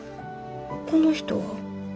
この人は？